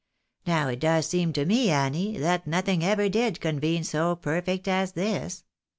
Now it does seem to .me, Annie, that nothing ever did convene so perfect as this.